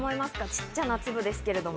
小っちゃな粒ですけれども。